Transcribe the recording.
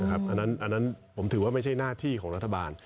อันนั้นผมถือว่าไม่ใช่หน้าที่ของรัฐบาล